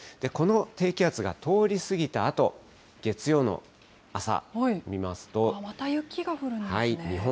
この低気圧が通り過ぎたあと、月曜の朝、また雪が降るんですね。